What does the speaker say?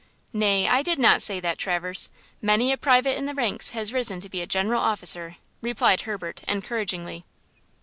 "Nay; I did not say that, Traverse. Many a private in the ranks has risen to be a general officer," replied Herbert, encouragingly.